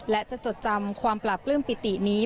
และจะจดจำความปราบปลื้มปิตินี้